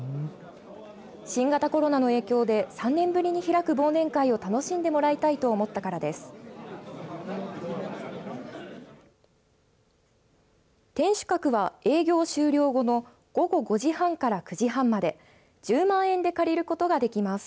新型コロナの影響で３年ぶりに開く忘年会を楽しんでもらいたいと思ったからです。